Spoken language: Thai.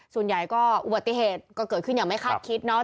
ส่วนใหญ่ก็อุบัติเหตุก็เกิดขึ้นอย่างไม่คาดคิดเนาะ